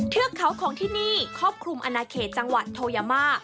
เทือกเขาของที่นี่ครอบคลุมอนาเขตจังหวัดโทยามา